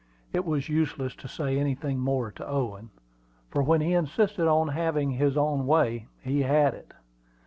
It was useless to say anything more to Owen; for when he insisted on having his own way, he had it.